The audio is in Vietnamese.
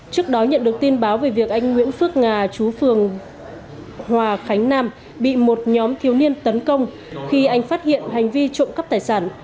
trước đó nhận được tin báo về việc anh nguyễn phước ngà chú phường hòa khánh nam bị một nhóm thiếu niên tấn công khi anh phát hiện hành vi trộm cắp tài sản